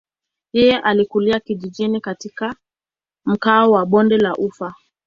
Yeye alikulia kijijini katika mkoa wa bonde la ufa.